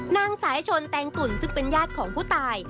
นางสายชนแตงตุ่นซึ่งเป็นญาติของผู้ตาย